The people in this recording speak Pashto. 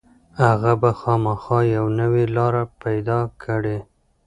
هغه به خامخا یوه نوې لاره پيدا کړي.